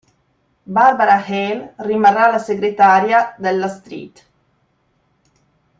Barbara Hale rimarrà la segretaria Della Street.